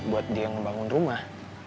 buat dia ngebangun rumah